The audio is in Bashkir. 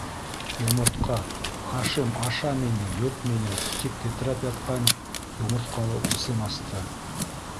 Йомортҡа, - Хашим «аша мине, йот мине!» тип тетрәп ятҡан йомортҡалы усын асты.